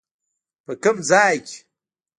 په کوم ځای کې؟